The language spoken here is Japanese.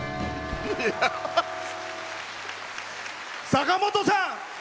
坂本さん！